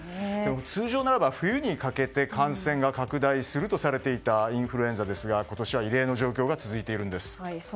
通常ならば冬にかけて感染が拡大するとされていたインフルエンザですが今年は異例の状況が続いています。